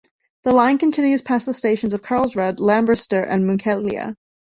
The line continues past the stations of Karlsrud, Lambertseter and Munkelia.